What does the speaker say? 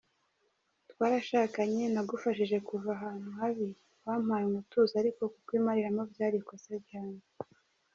"Twarashakanye, nagufashije kuva ahantu habi, wampaye umutuzo ariko kukwimariramo byari ikosa ryanjye.